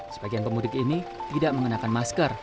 sebagian pemudik ini tidak mengenakan masker